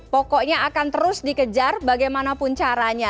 pokoknya akan terus dikejar bagaimanapun caranya